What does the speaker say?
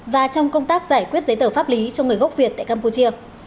và trong công tác giải quyết giấy tờ pháp lý cho người gốc việt tại campuchia